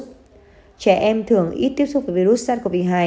trẻ em thường ít tiếp xúc với virus sars cov hai